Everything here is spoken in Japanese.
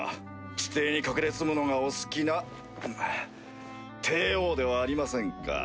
地底に隠れ住むのがお好きな帝王ではありませんか。